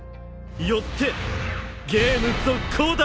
よってゲーム続行だ！